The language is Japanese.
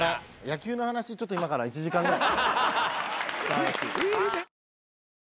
野球の話ちょっと今から１時間ぐらい。